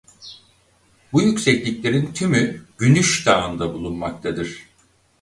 Bu yüksekliklerin tümü Günüş Dağı'nda bulunmaktadır.